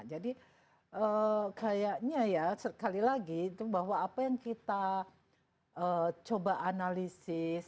jadi kayaknya ya sekali lagi itu bahwa apa yang kita coba analisis